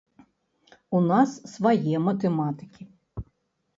У нас свае матэматыкі.